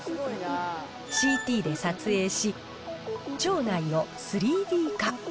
ＣＴで撮影し、腸内を３Ｄ化。